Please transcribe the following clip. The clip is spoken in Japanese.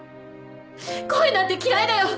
恋なんて嫌いだよ